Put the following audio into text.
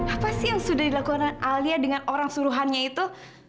apa sih yang sudah dilakukan alia dengan orang suruhannya itu